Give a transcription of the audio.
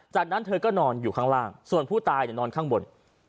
จากนั้นเธอก็นอนอยู่ข้างล่างส่วนผู้ตายนอนข้างบน